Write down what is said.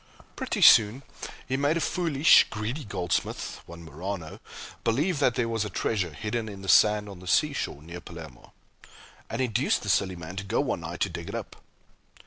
Pretty soon he made a foolish, greedy goldsmith, one Marano, believe that there was a treasure hidden in the sand on the sea shore near Palermo, and induced the silly man to go one night to dig it up.